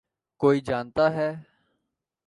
کوئی جانتا ہے۔